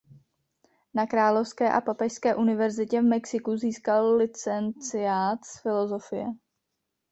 Na Královské a papežské univerzitě v Mexiku získal licenciát z filosofie.